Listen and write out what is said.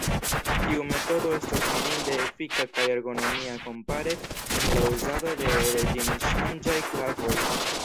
Tiu metodo estas mirinde efika kaj ergonomia kompare kun la uzado de reĝimŝanĝaj klavoj.